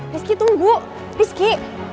rizky tunggu rizky